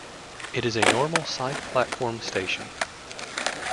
It is a normal side platform station.